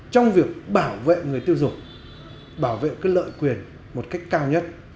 trong việc bảo vệ người tiêu dùng bảo vệ lợi quyền một cách cao nhất